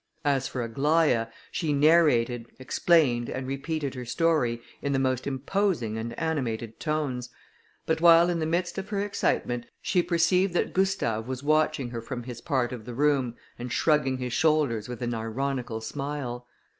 As for Aglaïa, she narrated, explained, and repeated her story, in the most imposing and animated tones; but while in the midst of her excitement, she perceived that Gustave was watching her from his part of the room, and shrugging his shoulders with an ironical smile.